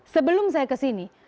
sebelum saya kesini